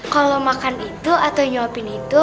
kalau makan itu atau nyuapin itu